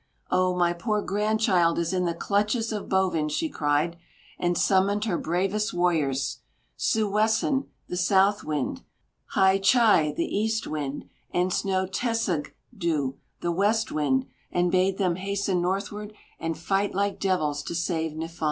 "Oh, my poor grandchild is in the clutches of Bovin," she cried, and summoned her bravest warriors, "Sūwessen," the South Wind, "Hy chī," the East Wind, and "Snoteseg du," the West Wind, and bade them hasten northward and fight like devils to save Niffon.